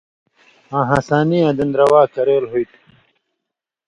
آں ہسانی یاں دن روا کریل ہُوئ تھُو۔